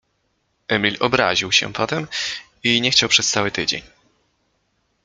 Emil obraził się potem i nie chciał przez cały tydzień.